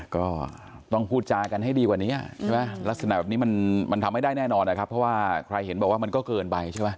ก็ต้องพูดจากันให้ดีกว่านี้ใช่ไหมลักษณะแบบนี้มันทำไม่ได้แน่นอนนะครับเพราะว่าใครเห็นบอกว่ามันก็เกินไปใช่ไหม